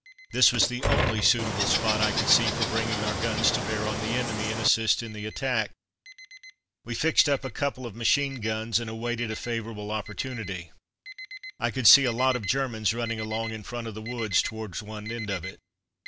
This was the only suitable spot I could see for bringing our guns to bear on the enemy, and assist in the attack. We fixed up a couple of machine guns, and awaited a favourable opportunity. I could see a lot of Germans running along in front of the wood towards one end of it.